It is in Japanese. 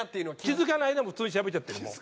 気付かないで普通にしゃべっちゃってるもう。